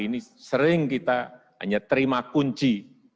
ini sering kita hanya terima kunci